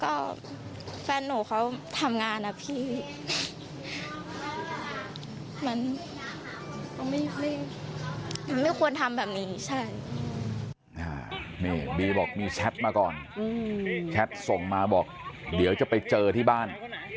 ก็แฟนหนูเขาทำงานนะพี่มันไม่ควรทำแบบนี้ใช่บีบอกมีแชทมาก่อนแชทส่งมาบอกเดี๋ยวจะไปเจอที่บ้าน